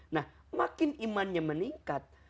nah makin imannya meningkat